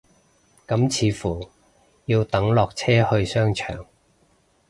咁似乎要等落車去商場